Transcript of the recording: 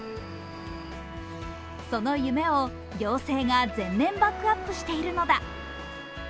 その夢を行政が全面バックアップしているのだ。